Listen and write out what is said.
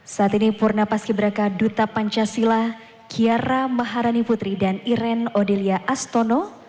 saat ini purnapas kibraka duta pancasila kiara maharani putri dan iren odelia astono